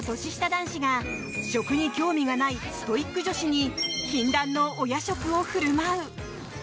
男子が食に興味がないストイック女子に禁断のお夜食を振る舞う。